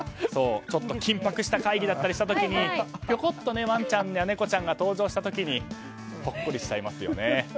ちょっと緊迫した会議だったりしたときにぴょこっとワンちゃんや猫ちゃんが登場した時にほっこりしちゃいますよね。